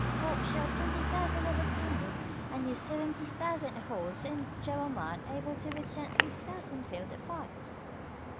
What, shall twenty thousand overcome you, and you seventy thousand horse and Jawamard able to withstand three thousand in field of fight?"